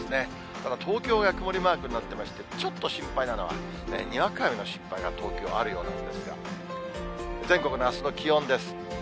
ただ東京が曇りマークになってまして、ちょっと心配なのは、にわか雨の心配が東京はあるようなんですが、全国のあすの気温です。